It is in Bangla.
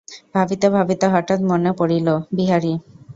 ভাবিতে ভাবিতে হঠাৎ মনে পড়িল–বিহারী।